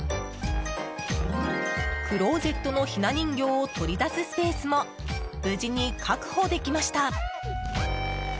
クローゼットのひな人形を取り出すスペースも無事に確保できました。